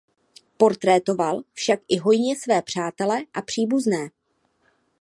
Portrétoval však i hojně své přátele a příbuzné.